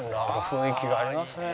雰囲気がありますね。